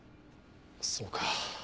そうか。